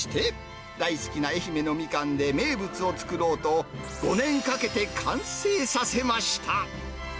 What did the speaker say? そして、大好きな愛媛のミカンで名物を作ろうと、５年かけて完成させました。